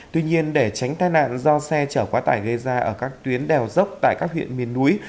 tuy nhiên để tránh tai nạn do xe chở quá tải gây ra ở các tuyến đèo dốc tại các huyện miền núi